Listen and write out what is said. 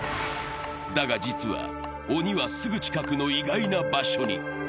だが実は、鬼はすぐ近くの意外な場所に。